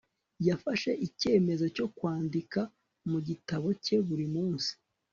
yafashe icyemezo cyo kwandika mu gitabo cye buri munsi